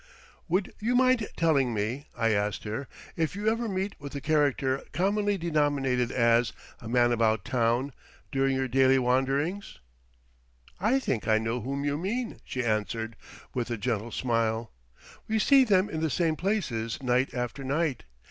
"Would you mind telling me," I asked her, "if you ever meet with the character commonly denominated as 'A Man About Town' during your daily wanderings?" "I think I know whom you mean," she answered, with a gentle smile. "We see them in the same places night after night.